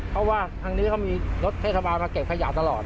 เพราะว่าทางนี้เขามีรถเทศบาลมาเก็บขยะตลอด